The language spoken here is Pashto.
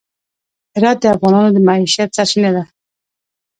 هرات د افغانانو د معیشت سرچینه ده.